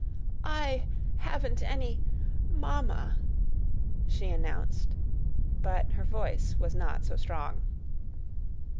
"I haven't any ma ma ma a!" she announced; but her voice was not so strong.